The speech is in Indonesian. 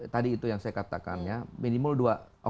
tadi itu yang saya katakannya minimal dua